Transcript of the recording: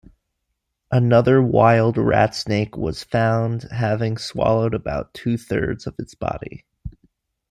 Another wild rat snake was found having swallowed about two-thirds of its body.